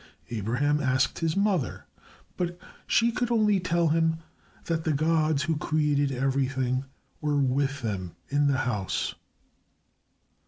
Abraham asked his mother, but she could only tell him that the gods who created everything were with them in the house.